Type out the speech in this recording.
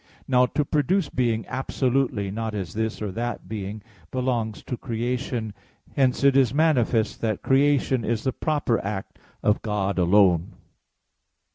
Now to produce being absolutely, not as this or that being, belongs to creation. Hence it is manifest that creation is the proper act of God alone.